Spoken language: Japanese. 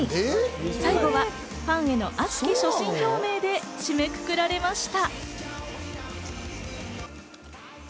最後はファンへの熱き所信表明で締めくくられました。